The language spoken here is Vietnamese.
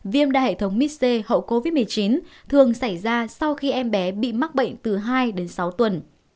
viêm đa hệ thống miss hậu covid một mươi chín thường xảy ra sau khi em bé bị mắc bệnh từ hai đến sáu tuần